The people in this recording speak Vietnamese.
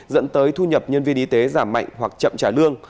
dẫn tới thu nhập nhân viên y tế giảm mạnh hoặc chậm trả lương